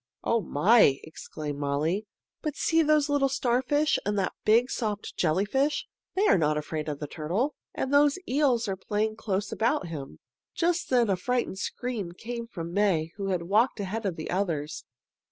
"Oh, my!" exclaimed Molly. "But see those little starfish and that big soft jellyfish. They are not afraid of the turtle. And those eels are playing close about him." Just then a frightened scream came from May, who had walked ahead of the others.